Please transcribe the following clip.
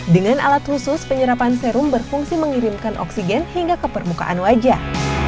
dengan alat khusus penyerapan serum berfungsi mengirimkan oksigen hingga ke permukaan wajah